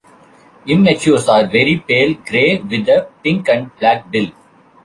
Immatures are very pale grey with a pink and black bill.